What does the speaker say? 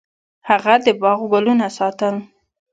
هغه د باغ ګلونه ساتل.